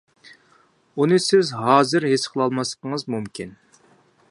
ئۇنى سىز ھازىر ھېس قىلالماسلىقىڭىز مۇمكىن.